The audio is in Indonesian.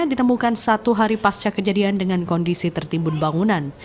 ditemukan satu hari pasca kejadian dengan kondisi tertimbun bangunan